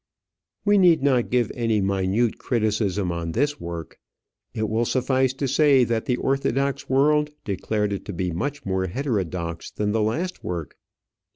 We need not give any minute criticism on this work. It will suffice to say that the orthodox world declared it to be much more heterodox than the last work.